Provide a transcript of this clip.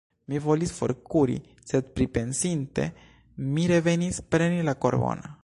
Mi volis forkuri, sed pripensinte mi revenis preni la korbon.